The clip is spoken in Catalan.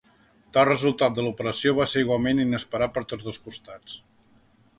Tal resultat de l'operació va ser igualment inesperat per tots dos costats.